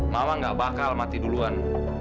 mama gak bakal mati duluan